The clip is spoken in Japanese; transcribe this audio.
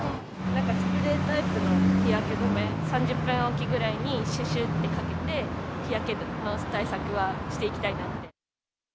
なんかスプレータイプの日焼け止め、３０分置きぐらいにしゅしゅってかけて、日焼けの対策はしていきたいと思って。